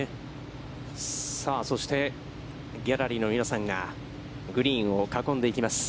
さあ、そして、ギャラリーの皆さんがグリーンを囲んでいきます。